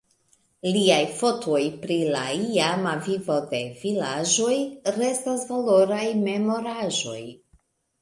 Liaj fotoj pri la iama vivo de vilaĝoj restas valoraj memoraĵoj.